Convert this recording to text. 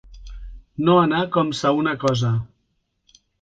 No anar com ça una cosa.